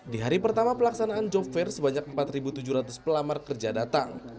di hari pertama pelaksanaan job fair sebanyak empat tujuh ratus pelamar kerja datang